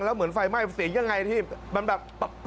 แล้วเหมือนไฟไหม้เสียงยังไงที่มันแบบ